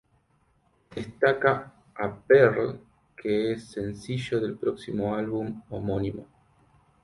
Destaca "A Pearl" que es el sencillo del próximo álbum homónimo.